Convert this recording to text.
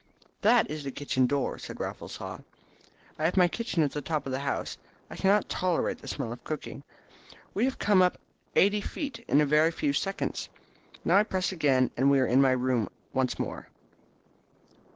"That is the kitchen door," said Raffles Haw. "I have my kitchen at the top of the house. I cannot tolerate the smell of cooking. We have come up eighty feet in a very few seconds. Now I press again and here we are in my room once more."